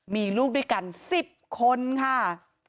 มีลูกด้วยกัน๑๐คนค่ะ